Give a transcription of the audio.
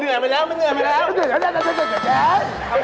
ทำไมลิงทำให้ดีทำให้ดี